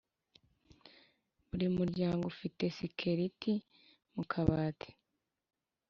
buri muryango ufite skeleti mu kabati